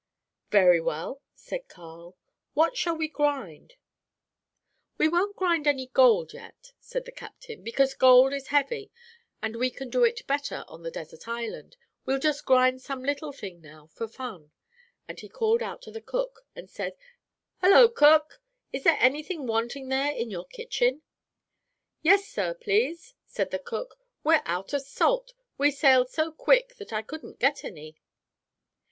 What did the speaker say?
"'Very well,' said Carl, 'what shall we grind?' "'We won't grind any gold yet,' said the captain, 'because gold is heavy, and we can do it better on the desert island. We'll just grind some little thing now for fun.' Then he called out to the cook, and said, 'Hollo, cook, is there any thing wanting there in your kitchen?' "'Yes, sir, please,' said the cook, 'we're out of salt; we sailed so quick that I couldn't get any.'